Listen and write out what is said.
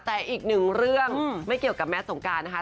แต่อีกหนึ่งเรื่องไม่เกี่ยวกับแมทสงการนะคะ